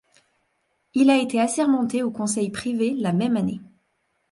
Il a été assermenté au Conseil privé la même année.